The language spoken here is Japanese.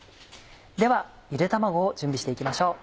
ではゆで卵を準備して行きましょう。